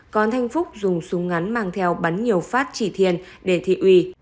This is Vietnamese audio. còn thanh phúc dùng súng ngắn mang theo bắn nhiều phát chỉ thiên để thị uy